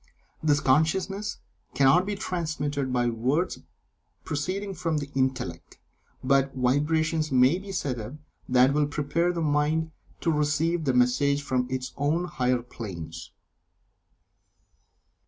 This consciousness cannot be transmitted by words proceeding from the Intellect, but vibrations may be set up that will prepare the mind to receive the message from its own higher planes.